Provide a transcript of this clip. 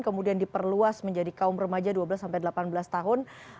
kemudian diperluas menjadi kaum remaja dua belas sampai delapan belas tahun